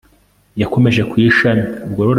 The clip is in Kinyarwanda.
Yakomeje ku ishami